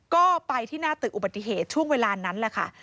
ก็ไปที่หน้าตึกอุบัติเหตุช่วงเวลานั้นแหละค่ะ